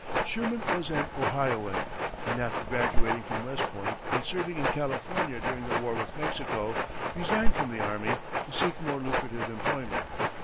Sherman was an Ohioan, and, after graduating from West Point and serving in California during the war with Mexico, resigned from the army to seek more lucrative employment.